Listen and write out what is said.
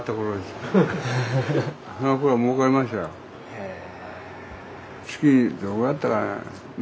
へえ！